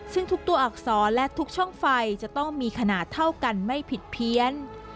ซึ่งทุกตัวอักษรและทุกช่องไฟจะต้องมีขนาดเท่ากันไม่ผิดเพี้ยน